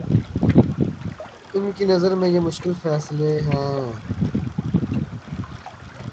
ان کی نظر میں یہ مشکل فیصلے ہیں؟